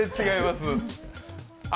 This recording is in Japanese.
違います。